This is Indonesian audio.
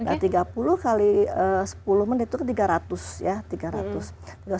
nah tiga puluh kali sepuluh menit itu tiga ratus ya